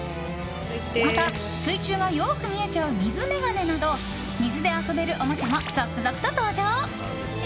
また、水中がよく見えちゃう水めがねなど水で遊べるおもちゃも続々と登場。